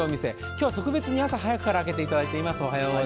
今日は特別に朝早くから開けていただいています。